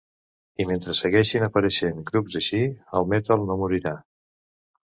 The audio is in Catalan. I mentre segueixin apareixent grups així, el metal no morirà.